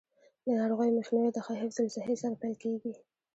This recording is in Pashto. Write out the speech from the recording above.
د ناروغیو مخنیوی د ښه حفظ الصحې سره پیل کیږي.